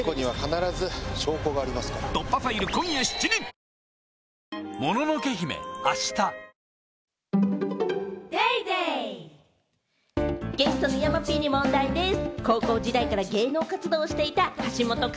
「ビオレ」ゲストの山Ｐに問題です。